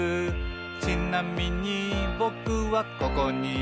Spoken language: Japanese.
「ちなみにぼくはここにいます」